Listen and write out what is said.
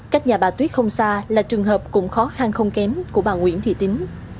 cách nhà bà tuyết không xa là trường hợp cũng khó khăn không kém của bà nguyễn thị tính